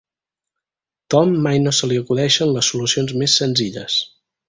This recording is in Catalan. Tom mai no se li acudeixen les solucions més senzilles.